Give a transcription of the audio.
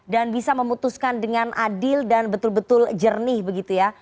dan bisa memutuskan dengan adil dan betul betul jernih begitu ya